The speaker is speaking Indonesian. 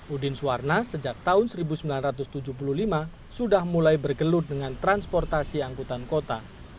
udin suwarna sejak tahun seribu sembilan ratus tujuh puluh lima sudah mulai bergelut dengan transportasi angkutan kota